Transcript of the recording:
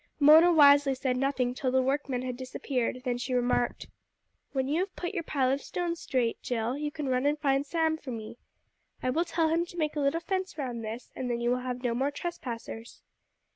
Mona wisely said nothing till the workmen had disappeared, then she remarked "When you have put your pile of stones straight, Jill, you can run and find Sam for me. I will tell him to make a little fence round this, and then you will have no more trespassers."